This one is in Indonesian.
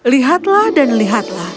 lihatlah dan lihatlah